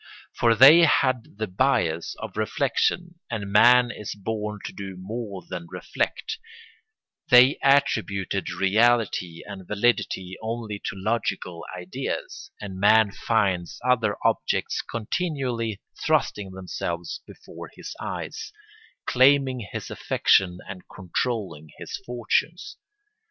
For they had the bias of reflection and man is born to do more than reflect; they attributed reality and validity only to logical ideas, and man finds other objects continually thrusting themselves before his eyes, claiming his affection and controlling his fortunes.